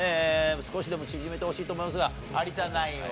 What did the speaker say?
少しでも縮めてほしいと思いますが有田ナインは。